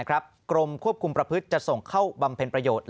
กรมควบคุมประพฤติจะส่งเข้าบำเพ็ญประโยชน์